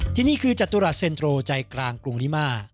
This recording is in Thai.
ที่นี่คือจตุรัสเซ็นโตรใจกลางกรุงนิมา